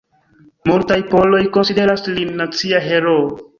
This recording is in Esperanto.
Multaj poloj konsideras lin nacia heroo.